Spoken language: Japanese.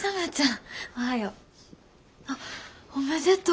あっおめでとう。